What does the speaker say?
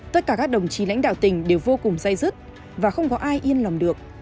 tất cả các đồng chí lãnh đạo tỉnh đều vô cùng dây dứt và không có ai yên lòng được